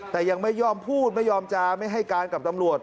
แต่ยังไม่ยอมพูดไม่ยอมจาไม่ให้การกับตำรวจ